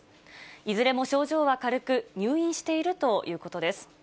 いずれも症状は軽く、入院しているということです。